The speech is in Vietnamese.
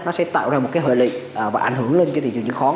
nó sẽ tạo ra một hội lị và ảnh hưởng lên thị trường chiến khóa